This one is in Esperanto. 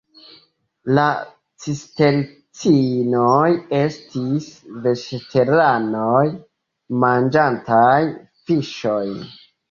La cistercianoj estis vegetaranoj manĝantaj fiŝojn.